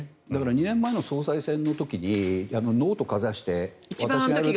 ２年前の総裁選の時にノートをかざして。